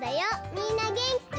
みんなげんき？